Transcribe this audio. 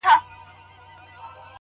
خو ما هچيش له تورو شپو سره يارې کړې ده _